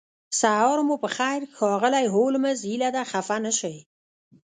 سهار مو پخیر ښاغلی هولمز هیله ده خفه نشئ